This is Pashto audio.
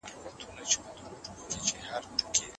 په ملي توليد کي د ماشينونو فرسايش هم محاسبه کېده.